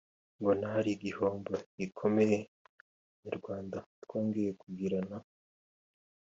mbona ari igihango gikomeye abanyarwanda twongeye kugirana